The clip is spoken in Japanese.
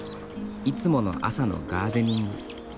いつもの朝のガーデニング。